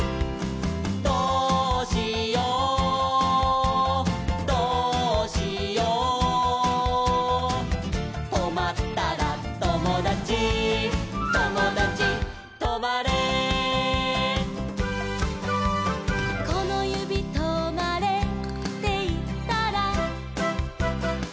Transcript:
「どうしようどうしよう」「とまったらともだちともだちとまれ」「このゆびとまれっていったら」